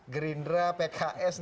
gerindra pks dan pan yang mengejutkan